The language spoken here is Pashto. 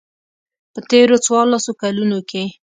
په تېرو څوارلسو کلونو کې.